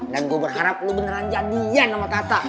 dan gue berharap lo beneran jadian sama tata